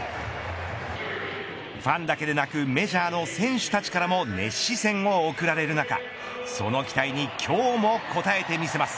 ファンだけでなくメジャーの選手たちからも熱視線を送られる中その期待に今日も応えてみせます。